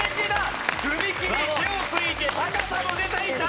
踏み切り手をついて高さも出ていた！